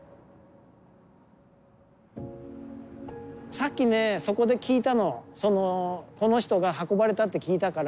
さっきねそこで聞いたのこの人が運ばれたって聞いたから。